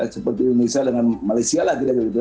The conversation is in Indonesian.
seperti indonesia dengan malaysia lah